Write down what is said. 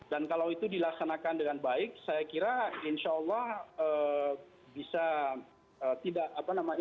dan kalau itu dilaksanakan dengan baik saya kira insya allah bisa